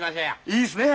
いいですね！